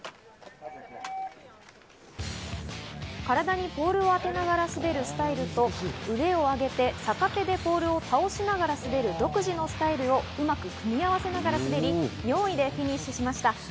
体にポールを当てながら滑るスタイルと、腕を上げ、逆手でポールを倒しながら滑る独自のスタイルをうまく組み合わせながら滑り、４位でフィニッシュしました。